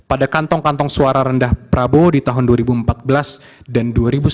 pada kantong kantong suara rendah prabowo di tahun dua ribu empat belas dan dua ribu sembilan belas